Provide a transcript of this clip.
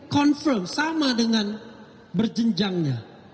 confirm sama dengan berjenjangnya